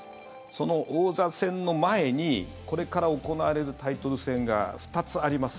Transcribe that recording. その王座戦の前にこれから行われるタイトル戦が２つあります。